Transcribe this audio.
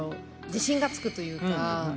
自信がつくというか。